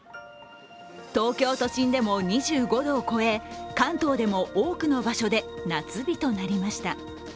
東京都心でも２５度を超え関東でも多くの場所で夏日となりました。